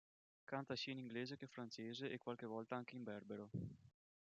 Canta sia in inglese che francese e qualche volta anche in berbero.